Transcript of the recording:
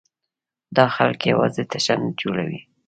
دا خلک یوازې تشنج جوړوي.